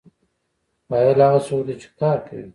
فاعل هغه څوک دی چې کار کوي.